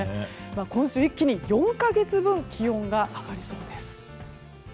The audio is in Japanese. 今週一気に４か月分気温が上がりそうです。